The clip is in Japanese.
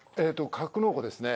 格納庫ですね。